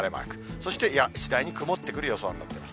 そして、次第に曇ってくる予想となっています。